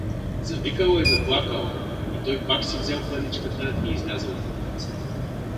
Завикала и заплакала и той пак си взел паничката и излязъл по улиците.